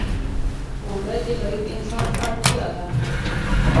اوړه د غریب انسان اړتیا ده